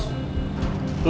sampai itu dua niat pengala